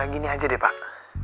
gini aja deh pak